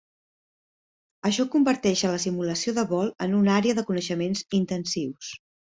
Això converteix a la simulació de vol en una àrea de coneixements intensius.